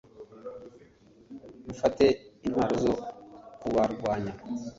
mufate intwaro zo kubarwanya